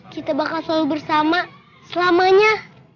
kita bakal selalu bersama selamanya